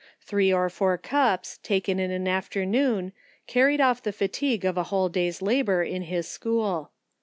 Three or four cups, ta ken in an afternoon, carried off the fatigue of a whole day's labour in his school.